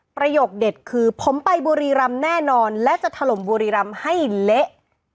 ประโยคเด็ดคือผมไปบุรีรำแน่นอนและจะถล่มบุรีรำให้เละ